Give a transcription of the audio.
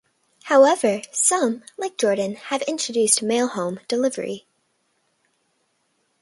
However, some, like Jordan, have introduced mail home delivery.